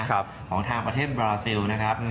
ของทางประเทศบราซิลนะครับ